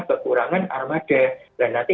kekurangan armada dan nanti